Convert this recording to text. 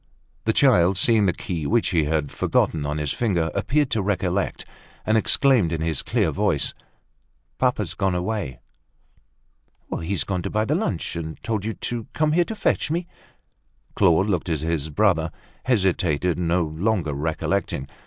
The child, seeing the key which he had forgotten on his finger, appeared to recollect, and exclaimed in his clear voice: "Papa's gone away." "He's gone to buy the lunch, and told you to come here to fetch me?" Claude looked at his brother, hesitated, no longer recollecting.